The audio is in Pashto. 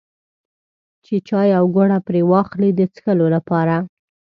چې چای او ګوړه پرې واخلي د څښلو لپاره.